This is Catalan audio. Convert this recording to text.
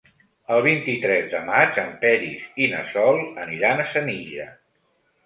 El vint-i-tres de maig en Peris i na Sol aniran a Senija.